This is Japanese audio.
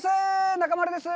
中丸です。